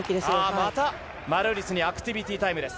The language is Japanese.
またマルーリスにアクティビティタイムです。